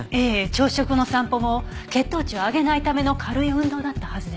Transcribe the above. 朝食の散歩も血糖値を上げないための軽い運動だったはずです。